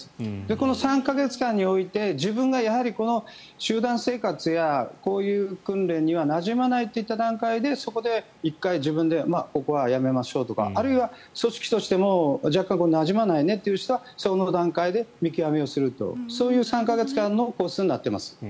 この３か月間において自分がこの集団生活やこういう訓練にはなじまないといった段階でそこで１回、自分でここはやめましょうとかあるいは組織としても若干なじまないねという人はその段階で見極めをするというそういう３か月間のコースになっています。